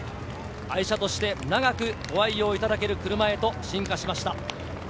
愛車として長くご愛用いただける車へと進化しました。